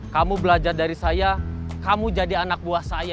kamu belajar dari saya kamu jadi anak buah saya